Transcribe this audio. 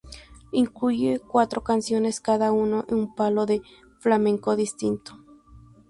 Incluye cuatro canciones, cada una en un palo de flamenco distinto.